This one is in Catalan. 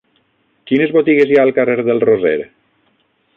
Quines botigues hi ha al carrer del Roser?